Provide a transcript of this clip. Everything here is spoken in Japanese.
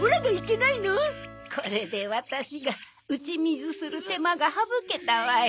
これでワタシが打ち水する手間が省けたわい。